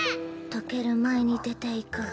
溶ける前に出て行く